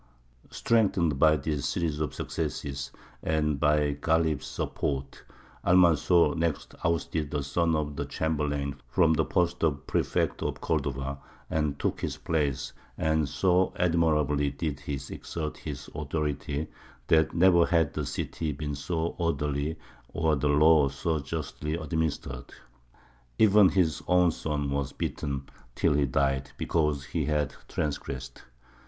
Strengthened by this series of successes, and by Ghālib's support, Almanzor next ousted the son of the chamberlain from the post of prefect of Cordova, and took his place; and so admirably did he exert his authority, that never had the city been so orderly or the law so justly administered. Even his own son was beaten, till he died, because he had transgressed.